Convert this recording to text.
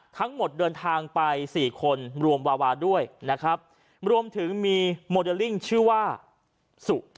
เดินทางไปสี่คนรวมวาวาด้วยนะครับรวมถึงมีโมเดลลิ่งชื่อว่าสุ